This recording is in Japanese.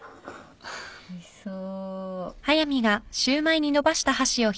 おいしそう。